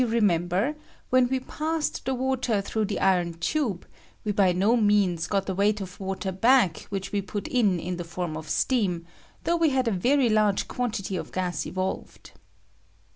95 remember, wiien we passed the water tirougli the iron tube, we by no means got the weight of water back which we put in in the form of steam, though we had a very large quantity of gas evolved.